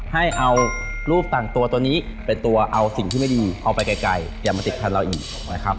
ให้เอารูปต่างตัวตัวนี้เป็นตัวเอาสิ่งที่ไม่ดีเอาไปไกลอย่ามาติดพันธุ์เราอีกนะครับ